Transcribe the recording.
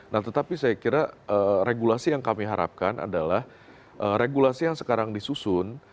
nah tetapi saya kira regulasi yang kami harapkan adalah regulasi yang sekarang disusun